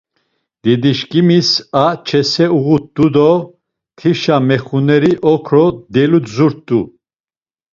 Didişǩimis a çese uğut̆u do tişa mexuneri okro deludzut̆u.